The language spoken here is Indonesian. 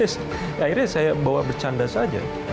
akhirnya saya bawa bercanda saja